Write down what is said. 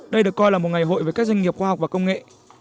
đây được coi là một ngày hội với các doanh nghiệp khoa học và công nghệ